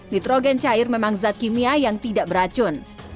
nitrogen cair memang zat kimia yang tidak beracun